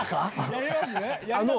やります？